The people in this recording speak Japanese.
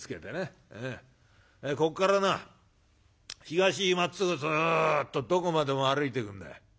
こっからな東へまっつぐずっとどこまでも歩いていくんだい。